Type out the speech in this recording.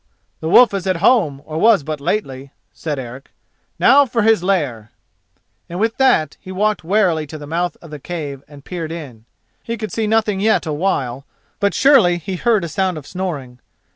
"The wolf is at home, or was but lately," said Eric; "now for his lair;" and with that he walked warily to the mouth of the cave and peered in. He could see nothing yet a while, but surely he heard a sound of snoring?